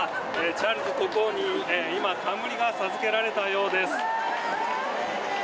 チャールズ国王に今冠が授けられたようです。